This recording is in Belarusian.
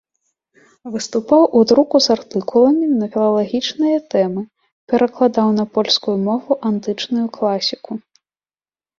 Выступаў у друку з артыкуламі на філалагічныя тэмы, перакладаў на польскую мову антычную класіку.